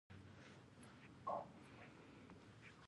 اوښ د افغانانو ژوند اغېزمن کوي.